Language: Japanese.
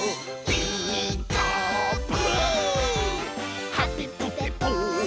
「ピーカーブ！」